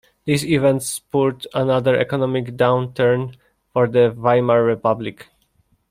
This event spurred another economic downturn for the Weimar Republic.